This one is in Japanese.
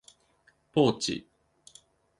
ポーチ